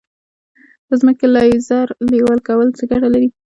د ځمکې لیزر لیول کول څه ګټه لري؟